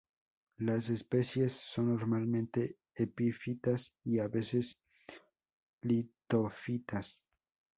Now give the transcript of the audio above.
Las especies son normalmente epífitas y a veces litófitas.